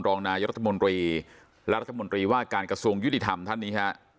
รองนายรัฐมนตรีและรัฐมนตรีว่าการกระทรวงยุติธรรมท่านนี้ฮะ